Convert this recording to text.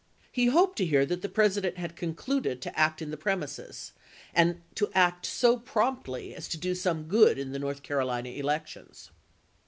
He hoped to hear that the President had concluded to act in the toGL? Sn, premises, and to act so promptly as to do some isgi/ms. good in the North Carolina elections.